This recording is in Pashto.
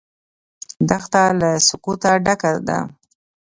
دښته له سکوته ډکه ده.